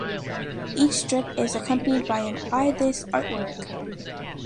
Each strip is accompanied by a Buy This Artwork!